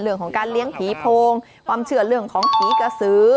เรื่องของการเลี้ยงผีโพงความเชื่อเรื่องของผีกระสือ